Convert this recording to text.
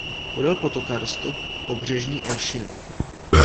Podél potoka rostou pobřežní olšiny.